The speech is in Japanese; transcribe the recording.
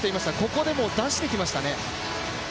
ここで、もう出してきましたね。